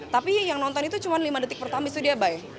tapi yang nonton itu cuma lima detik pertama itu dia buy